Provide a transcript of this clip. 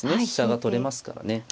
飛車が取れますからね。